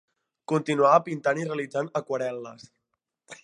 Continuava pintant i realitzant aquarel·les.